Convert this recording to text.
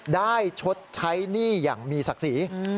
ชดใช้หนี้อย่างมีศักดิ์ศรี